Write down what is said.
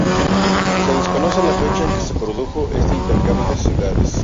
Se desconoce la fecha en que se produjo este intercambio de ciudades.